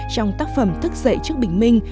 trong tác phẩm thức dậy trước bình minh